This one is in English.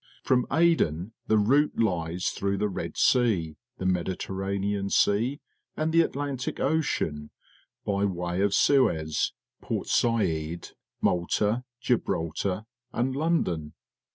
From Aden the route Ues t hrough the Red Sea^ the MediterranfianSea, and the Atlantic Ocean, by wa y of Suez, Port Sa id, Malt a, Gibra ltar, and London.